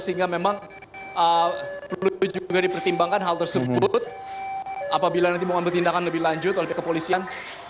sehingga memang perlu juga dipertimbangkan hal tersebut apabila nanti mengambil tindakan lebih lanjut oleh pihak kepolisian